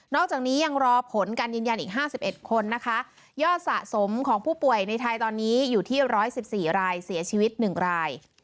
อกจากนี้ยังรอผลการยืนยันอีก๕๑คนนะคะยอดสะสมของผู้ป่วยในไทยตอนนี้อยู่ที่๑๑๔รายเสียชีวิต๑ราย